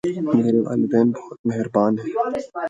میرے والدین بہت مہربان ہیں